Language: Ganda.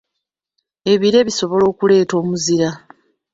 Ebire bisobola okuleeta omuzira.